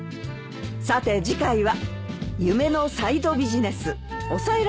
さて次回は。